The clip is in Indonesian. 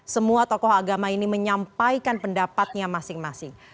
semua tokoh agama ini menyampaikan pendapatnya masing masing